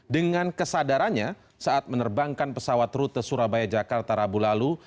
dengan kesadarannya saat menerbangkan pesawat rute surabaya jakarta rabulalu